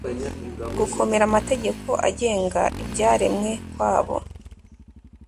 Kugomera amategeko agenga ibyaremwe kwabo